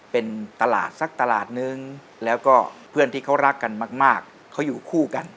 เป็นตลาดสักตลาดนึงแล้วก็เพื่อนที่เขารักกันมากเขาอยู่คู่กัน